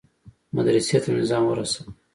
مدرسې ته مې ځان ورساوه.